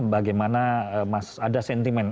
bagaimana ada sentimen